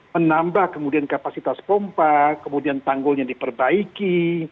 menambah kemudian kapasitas pompa kemudian tanggulnya diperbaiki